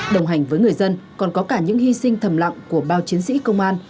đồng hành với người dân còn có cả những hy sinh thầm lặng của bao chiến sĩ công an